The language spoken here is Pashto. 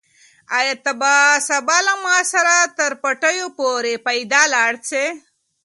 آیا ته به سبا له ما سره تر پټیو پورې پیاده لاړ شې؟